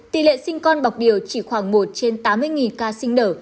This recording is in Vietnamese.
tỷ lệ sinh con bọc điều chỉ khoảng một trên tám mươi ca sinh nở